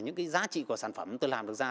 những cái giá trị của sản phẩm tôi làm được ra